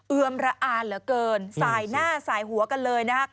เอือมระอาเหลือเกินสายหน้าสายหัวกันเลยนะครับ